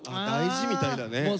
大事みたいだね。